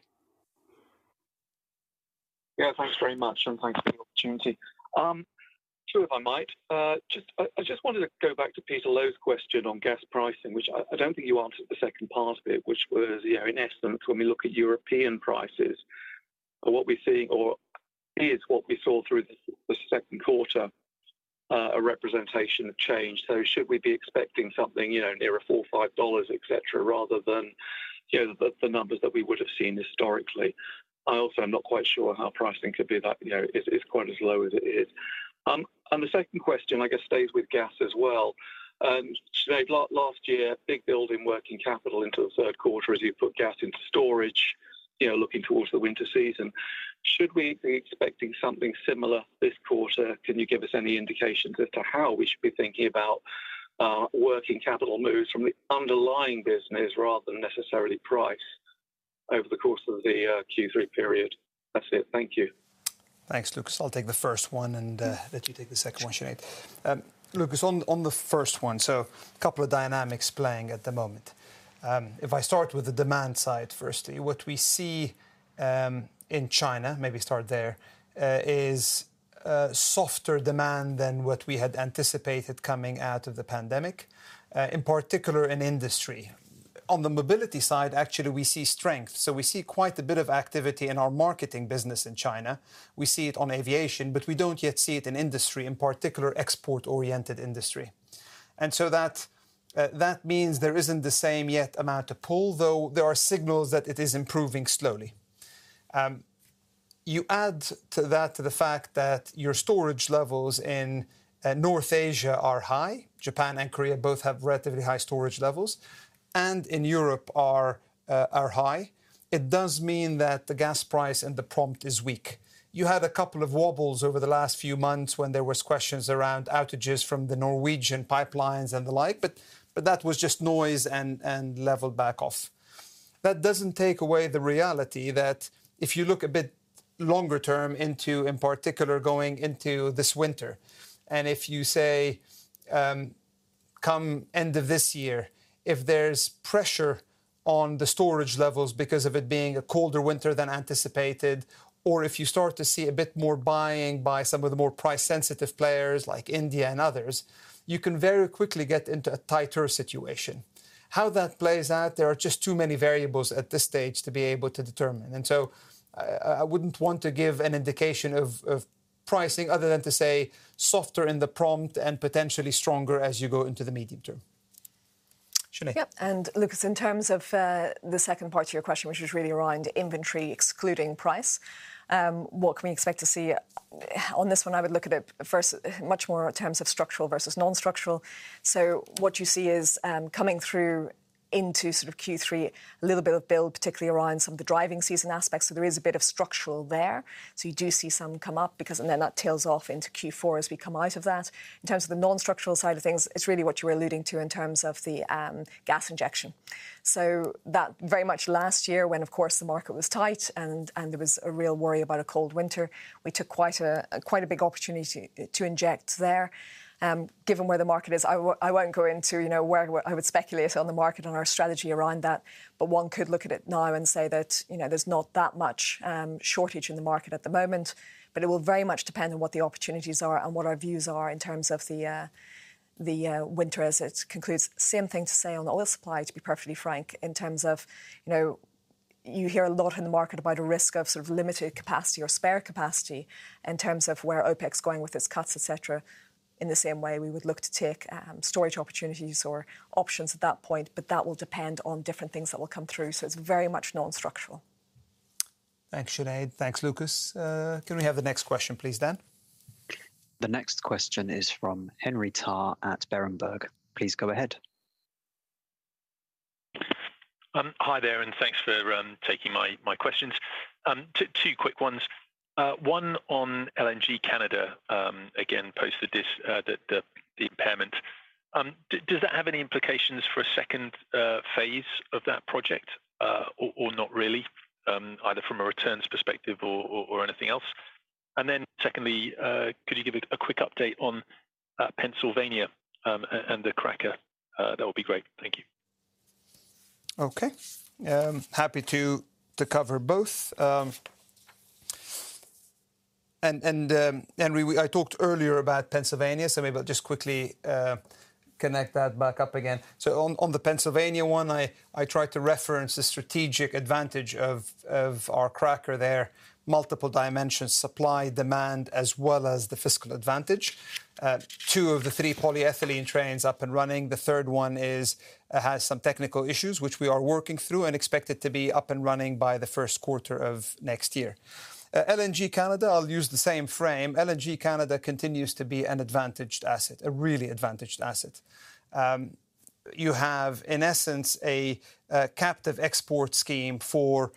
Thanks very much, and thanks for the opportunity. Two, if I might. Just, I just wanted to go back to Peter Low's question on gas pricing, which I don't think you answered the second part of it, which was, you know, in essence, when we look at European prices, are what we're seeing or is what we saw through the second quarter a representation of change? Should we be expecting something, you know, nearer $4, $5, et cetera, rather than, you know, the numbers that we would have seen historically? I also am not quite sure how pricing could be that, you know, is quite as low as it is. The second question, I guess, stays with gas as well. Sinead, last year, big build in working capital into the third quarter as you put gas into storage, you know, looking towards the winter season. Should we be expecting something similar this quarter? Can you give us any indications as to how we should be thinking about working capital moves from the underlying business, rather than necessarily price, over the course of the Q3 period? That's it. Thank you. Thanks, Lucas. I'll take the first one and, let you take the second one, Sinead. Sure. Lucas, on, on the first one, so a couple of dynamics playing at the moment. If I start with the demand side firstly, what we see, in China, maybe start there, is softer demand than what we had anticipated coming out of the pandemic, in particular in industry. On the Mobility side, actually, we see strength, so we see quite a bit of activity in our marketing business in China. We see it on aviation, but we don't yet see it in industry, in particular, export-oriented industry. That means there isn't the same yet amount of pull, though there are signals that it is improving slowly. you add to that, to the fact that your storage levels in North Asia are high, Japan and Korea both have relatively high storage levels, and in Europe are high, it does mean that the gas price and the prompt is weak. You had 2 wobbles over the last few months when there was questions around outages from the Norwegian pipelines and the like, but that was just noise and leveled back off. That doesn't take away the reality that if you look a bit longer term into, in particular, going into this winter, and if you say, come end of this year, if there's pressure on the storage levels because of it being a colder winter than anticipated, or if you start to see a bit more buying by some of the more price-sensitive players like India and others, you can very quickly get into a tighter situation. How that plays out, there are just too many variables at this stage to be able to determine. I, I wouldn't want to give an indication of, of pricing other than to say softer in the prompt and potentially stronger as you go into the medium term. Sinead? Yep, Lucas, in terms of the second part to your question, which was really around inventory, excluding price, what can we expect to see? On this one, I would look at it first, much more in terms of structural versus non-structural. What you see is coming through into sort of Q3, a little bit of build, particularly around some of the driving season aspects, so there is a bit of structural there. You do see some come up because... Then that tails off into Q4 as we come out of that. In terms of the non-structural side of things, it's really what you were alluding to in terms of the gas injection. That very much last year, when, of course, the market was tight and there was a real worry about a cold winter, we took quite a big opportunity to inject there. Given where the market is, I won't go into, you know, where I would speculate on the market and our strategy around that, but one could look at it now and say that, you know, there's not that much shortage in the market at the moment, but it will very much depend on what the opportunities are and what our views are in terms of the winter as it concludes. Same thing to say on the oil supply, to be perfectly frank, in terms of, you know, you hear a lot in the market about a risk of sort of limited capacity or spare capacity in terms of where OPEC's going with its cuts, et cetera. In the same way, we would look to take storage opportunities or options at that point, but that will depend on different things that will come through. It's very much non-structural. Thanks, Sinead. Thanks, Lucas. Can we have the next question, please, Dan? The next question is from Henry Tarr at Berenberg. Please go ahead. Hi there, and thanks for taking my questions. Two quick ones. One on LNG Canada, again, posted this, the impairment. Does that have any implications for a second phase of that project, or not really, either from a returns perspective or anything else? Secondly, could you give a quick update on Pennsylvania and the cracker? That would be great. Thank you. Okay, I'm happy to cover both. Henry, I talked earlier about Pennsylvania, so maybe I'll just quickly connect that back up again. On the Pennsylvania one, I tried to reference the strategic advantage of our cracker there, multiple dimensions, supply, demand, as well as the fiscal advantage. Two of the three polyethylene trains up and running. The third one is has some technical issues, which we are working through and expect it to be up and running by the first quarter of next year. LNG Canada, I'll use the same frame. LNG Canada continues to be an advantaged asset, a really advantaged asset. You have, in essence, a captive export scheme for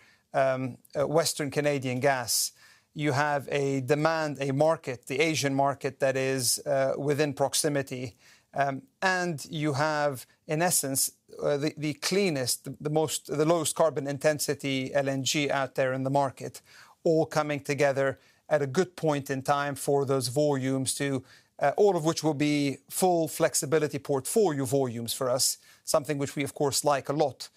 Western Canadian gas. You have a demand, a market, the Asian market, that is within proximity. You have, in essence, the cleanest, the most, the lowest carbon intensity LNG out there in the market, all coming together at a good point in time for those volumes. All of which will be full flexibility portfolio volumes for us, something which we, of course, like a lot.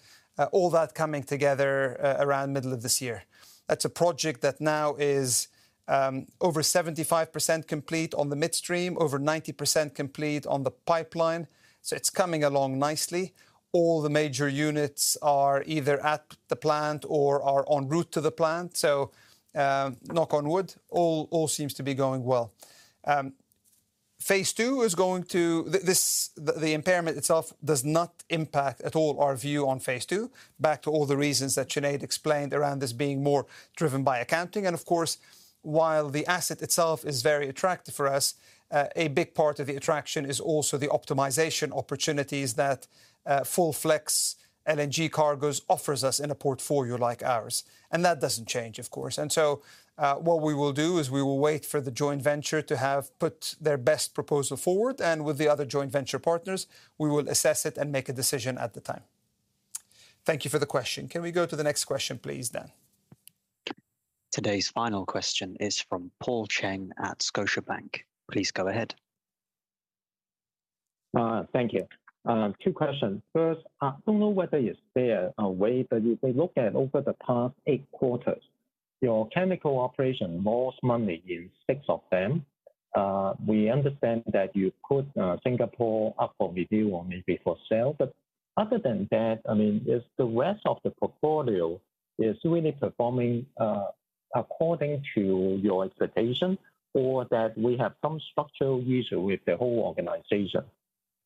All that coming together around middle of this year. That's a project that now is over 75% complete on the midstream, over 90% complete on the pipeline, so it's coming along nicely. All the major units are either at the plant or are en route to the plant, so, knock on wood, all seems to be going well. Phase II. The impairment itself does not impact at all our view on phase II. Back to all the reasons that Sinead explained around this being more driven by accounting. Of course, while the asset itself is very attractive for us, a big part of the attraction is also the optimization opportunities that full flex LNG cargoes offers us in a portfolio like ours, and that doesn't change, of course. What we will do is we will wait for the joint venture to have put their best proposal forward, and with the other joint venture partners, we will assess it and make a decision at the time. Thank you for the question. Can we go to the next question, please, Dan? Today's final question is from Paul Cheng at Scotiabank. Please go ahead. Thank you. Two questions. First, I don't know whether it's there a way, if we look at over the past eight quarters, your chemical operation lost money in six of them. We understand that you put Singapore up for review or maybe for sale. Other than that, I mean, is the rest of the portfolio is really performing according to your expectation, or that we have some structural issue with the whole organization?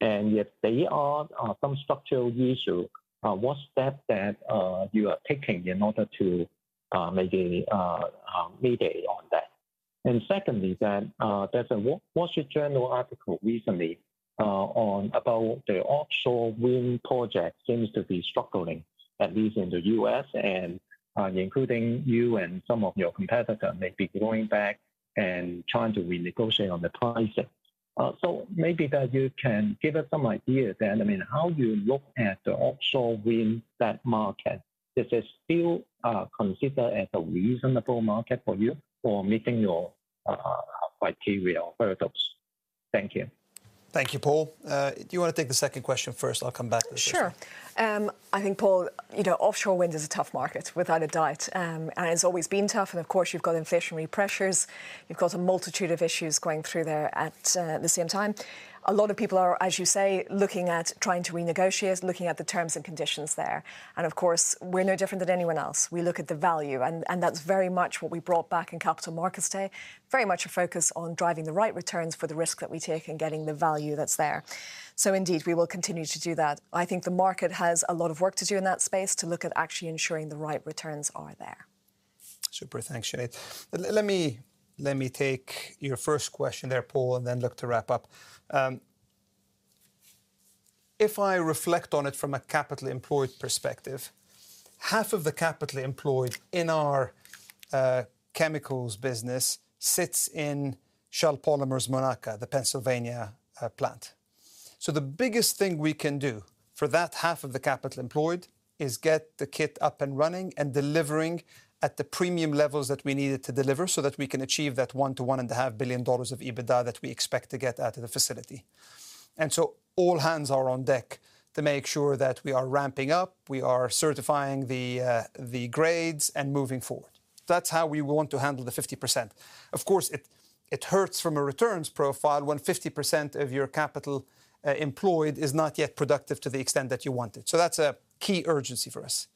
If they are some structural issue, what step that you are taking in order to maybe mediate on that? Secondly, then, there's a Wall Street Journal article recently, on about the offshore wind project seems to be struggling, at least in the US, and including you and some of your competitor may be going back and trying to renegotiate on the prices. Maybe that you can give us some ideas then, I mean, how you look at the offshore wind, that market? Is it still considered as a reasonable market for you for meeting your criteria or targets? Thank you. Thank you, Paul. Do you wanna take the second question first? I'll come back to the first one. Sure. I think, Paul, you know, offshore wind is a tough market, without a doubt. It's always been tough, and of course, you've got inflationary pressures. You've got a multitude of issues going through there at the same time. A lot of people are, as you say, looking at trying to renegotiate, looking at the terms and conditions there. Of course, we're no different than anyone else. We look at the value, and that's very much what we brought back in Capital Markets Day, very much a focus on driving the right returns for the risk that we take and getting the value that's there. Indeed, we will continue to do that. I think the market has a lot of work to do in that space to look at actually ensuring the right returns are there. Super. Thanks, Sinead. Let me take your first question there, Paul, then look to wrap up. If I reflect on it from a capital employed perspective, half of the capital employed in our Chemicals business sits in Shell Polymers Monaca, the Pennsylvania plant. The biggest thing we can do for that half of the capital employed is get the kit up and running and delivering at the premium levels that we need it to deliver, so that we can achieve that $1 billion-$1.5 billion of EBITDA that we expect to get out of the facility. All hands are on deck to make sure that we are ramping up, we are certifying the grades, and moving forward. That's how we want to handle the 50%. It hurts from a returns profile when 50% of your capital employed is not yet productive to the extent that you want it. That's a key urgency for us.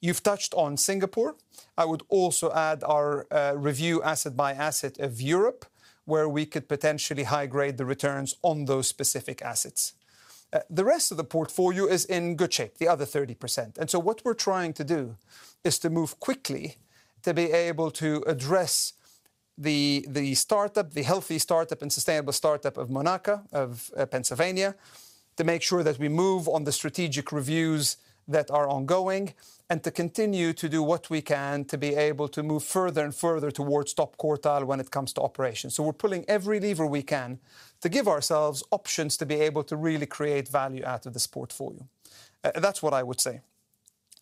You've touched on Singapore. I would also add our review asset by asset of Europe, where we could potentially high-grade the returns on those specific assets. The rest of the portfolio is in good shape, the other 30%. What we're trying to do is to move quickly to be able to address the startup, the healthy startup and sustainable startup of Monaca, of Pennsylvania, to make sure that we move on the strategic reviews that are ongoing, to continue to do what we can to be able to move further and further towards top quartile when it comes to operations. We're pulling every lever we can to give ourselves options to be able to really create value out of this portfolio. That's what I would say.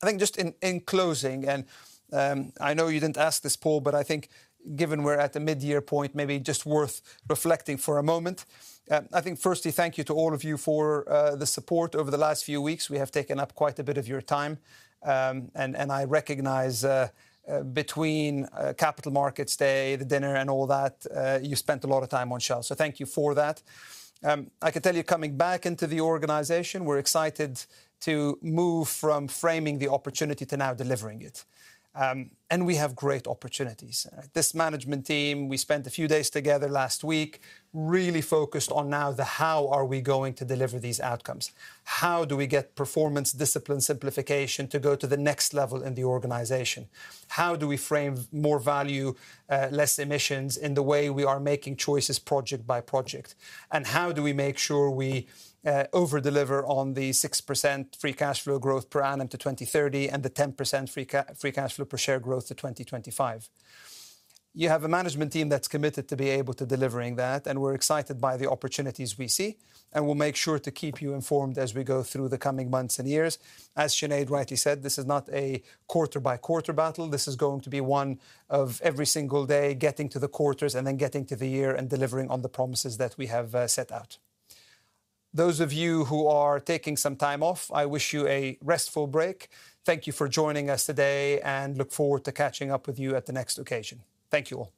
I think just in closing, I know you didn't ask this, Paul, but I think given we're at the mid-year point, maybe just worth reflecting for a moment. I think firstly, thank you to all of you for the support over the last few weeks. We have taken up quite a bit of your time, I recognize between Capital Markets Day, the dinner, and all that, you spent a lot of time on Shell, so thank you for that. I can tell you coming back into the organization, we're excited to move from framing the opportunity to now delivering it. We have great opportunities. This management team, we spent a few days together last week, really focused on now the how are we going to deliver these outcomes? How do we get performance, discipline, simplification to go to the next level in the organization? How do we frame more value, less emissions in the way we are making choices project by project? How do we make sure we over-deliver on the 6% free cash flow growth per annum to 2030, and the 10% free cash flow per share growth to 2025? You have a management team that's committed to be able to delivering that, and we're excited by the opportunities we see, and we'll make sure to keep you informed as we go through the coming months and years. As Sinead rightly said, this is not a quarter-by-quarter battle. This is going to be one of every single day, getting to the quarters, and then getting to the year, and delivering on the promises that we have set out. Those of you who are taking some time off, I wish you a restful break. Thank you for joining us today, and look forward to catching up with you at the next occasion. Thank you all.